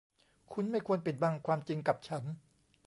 คุณไม่ควรปิดบังความจริงกับฉัน